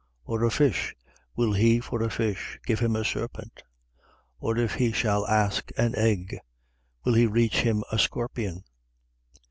Or a fish, will he for a fish give him a serpent? 11:12. Or if he shall ask an egg, will he reach him a scorpion?